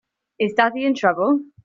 Is Daddy in trouble?